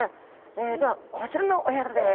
ではこちらのお宿です。